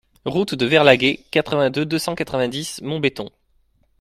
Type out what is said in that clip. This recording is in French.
Route de Verlhaguet, quatre-vingt-deux, deux cent quatre-vingt-dix Montbeton